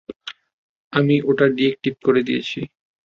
আমি ওটা ডিএক্টিভেট করে দিয়েছি।